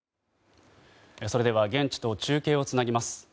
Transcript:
それでは現地と中継をつなぎます。